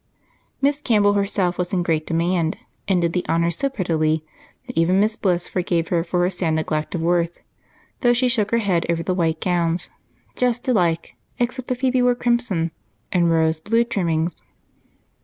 Miss Campbell herself was in great demand and did the honors so prettily that even Miss Bliss forgave her for her sad neglect of Worth, though she shook her head over the white gowns, just alike except that Phebe wore crimson and Rose, blue trimmings.